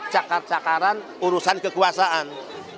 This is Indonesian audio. cakar cakaran urusan kekuasaan